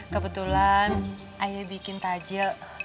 kebetulan ayo bikin tajil